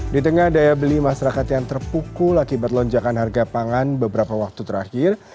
di tengah daya beli masyarakat yang terpukul akibat lonjakan harga pangan beberapa waktu terakhir